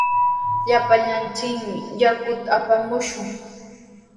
Llapallanchik yakuta apamushun.